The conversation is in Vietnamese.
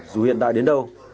dù hiện đại đến đâu